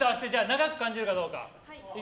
長く感じるかどうか。